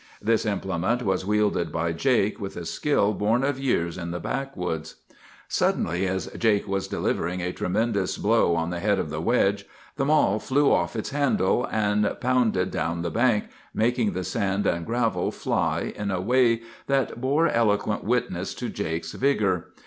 This implement was wielded by Jake, with a skill born of years in the backwoods. "Suddenly, as Jake was delivering a tremendous blow on the head of the wedge, the mall flew off its handle, and pounded down the bank, making the sand and gravel fly in a way that bore eloquent witness to Jake's vigor.